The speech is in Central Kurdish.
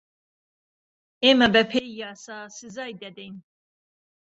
ئێمه بهپێی یاسا سزای دهدهین